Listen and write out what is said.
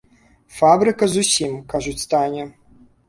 Фабрыка зусім, кажуць, стане.